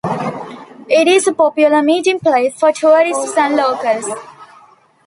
It is a popular meeting place for tourists and locals.